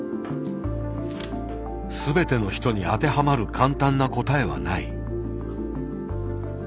全ての人に当てはまる簡単な答えはない。